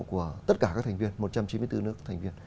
của tất cả các thành viên một trăm chín mươi bốn nước thành viên